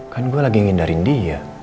kan gue lagi ngindarin dia